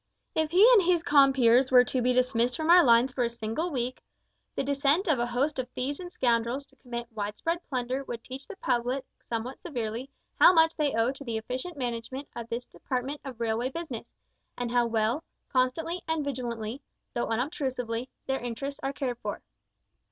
If he and his compeers were to be dismissed from our lines for a single week, the descent of a host of thieves and scoundrels to commit wide spread plunder would teach the public somewhat severely how much they owe to the efficient management of this department of railway business, and how well, constantly and vigilantly though unobtrusively their interests are cared for.